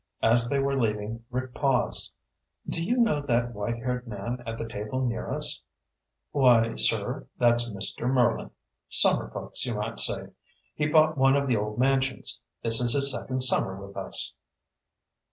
As they were leaving, Rick paused. "Do you know that white haired man at the table near us?" "Why, sir, that's Mr. Merlin. Summer folks, you might say. He bought one of the old mansions. This is his second summer with us."